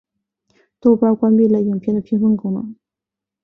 豆瓣关闭了影片的评分功能。